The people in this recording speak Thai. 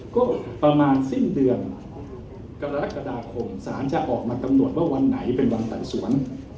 ก็ประมาณสิ้นเดือนกรกฎาคมสารจะออกมากำหนดว่าวันไหนเป็นวันไต่สวน